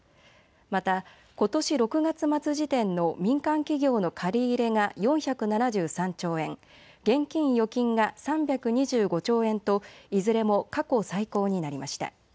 また、ことし６月末時点の民間企業の借入が４７３兆円、現金・預金が３２５兆円といずれも過去最高になりました。